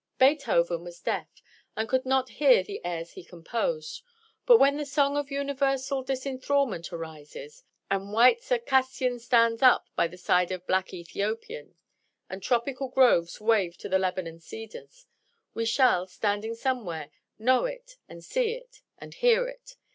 Beethoven was deaf, and could not hear the airs he composed; but when the song of universal disenthralment arises, and white Circassian stands up by the side of black Ethiopian, and tropical groves wave to the Lebanon cedars, we shall, standing somewhere, know it and see it, and hear it.